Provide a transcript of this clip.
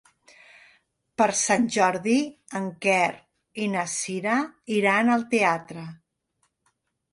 Per Sant Jordi en Quer i na Cira iran al teatre.